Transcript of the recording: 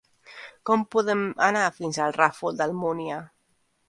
Com podem anar fins al Ràfol d'Almúnia?